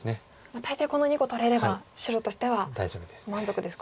大抵この２個取れれば白としては。大丈夫です。